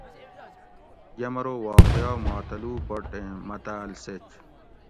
یمرو واقعا ماتلوُبٹ ایں متاۤل سیچ